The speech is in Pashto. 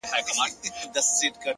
هره تجربه د شخصیت نوې کرښه رسموي،